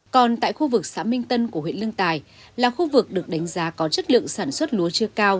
còn tại khu vực xã minh tân của huyện lương tài là khu vực được đánh giá có chất lượng sản xuất lúa chưa cao